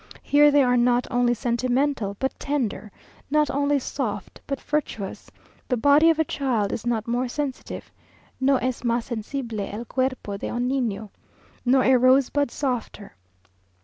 Here they are not only sentimental, but tender; not only soft, but virtuous; the body of a child is not more sensitive, (no es mas sensible el cuerpo de un niño), nor a rose bud softer.